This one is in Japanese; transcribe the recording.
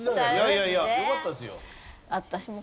いやいやよかったですよ。